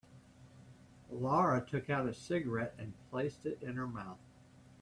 Laura took out a cigarette and placed it in her mouth.